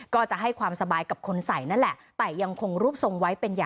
ก็จะให้ความสบายกับคนใส่นั่นแหละ